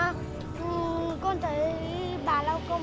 con thấy bát lao công